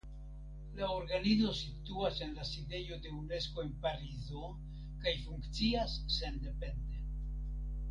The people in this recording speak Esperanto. La organizo situas en la sidejo de Unesko en Parizo kaj funkcias sendepende.